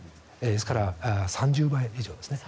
ですから３０倍以上ですね。